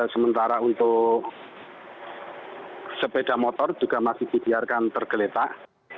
sementara untuk sepeda motor juga masih dibiarkan tergeletak